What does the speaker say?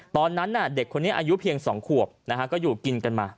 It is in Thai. ตอนนั้นน๊ะเด็กคนนี้อายุเพียงสองขวบนะฮะกอบกินกันมา